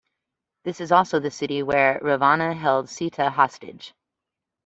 This is also the city where Ravana held Sita hostage.